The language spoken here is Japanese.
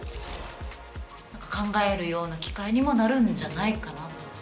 考えるような機会にもなるんじゃないかな。